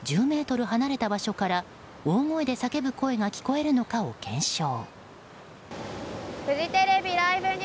離れた場所から大声で叫ぶ声が聞こえるのかを検証。